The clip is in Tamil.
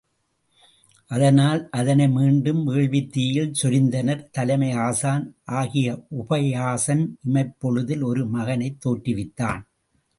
அதனால் அதனை மீண்டும் வேள்வித்தீயில் சொரிந்தனர் தலைமை ஆசான் ஆகிய உபயாசன் இமைப்பொழுதில் ஒரு மகனைத் தோற்றுவித்தான்.